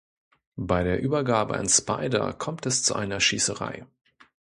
Bei der Übergabe an Spyder kommt es zu einer Schießerei.